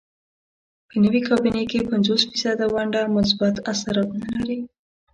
په نوې کابینې کې پنځوس فیصده ونډه مثبت اثرات نه لري.